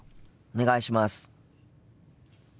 お願いします。